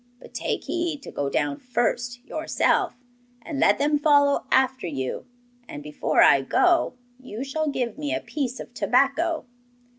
But take heed to go down first yourself, and let them follow after you. And before I go you shall give me a piece of tobacco.